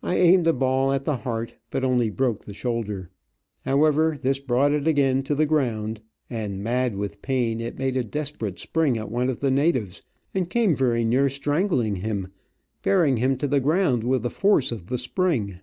I aimed a ball at the heart, but only broke the shoulder. However, this brought it again to the ground, and, mad with pain, it made a desperate spring at one of the natives, and came very near Digitized by VjOOQIC 1 86 Travels and Adventures strangling him, bearing him to the ground with the force of the spring.